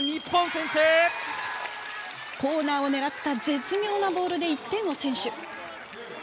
コーナーを狙った絶妙なボールで１点を先取。